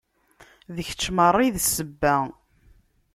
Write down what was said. D kečč merra i d ssebba.